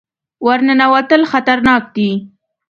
ور ننوتل خطرناک دي.